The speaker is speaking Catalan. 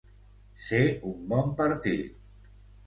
Ser un bon partit.